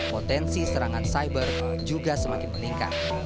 potensi serangan cyber juga semakin meningkat